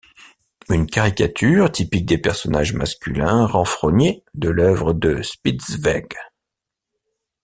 Une caricature, typique des personnages masculins renfrognés de l'œuvre de Spitzweg.